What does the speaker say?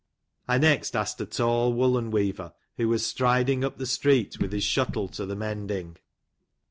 I next asked a tall woollen weaver, who was striding up the street with his shuttle to the mending.